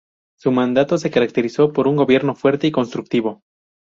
Su mandato se caracterizó por un gobierno fuerte y constructivo.